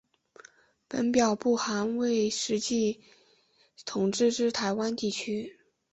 本表不含未实际统治之台湾地区。